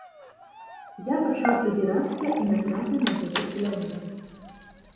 Я пачаў прыбірацца і натрапіў на гэты кулямёт.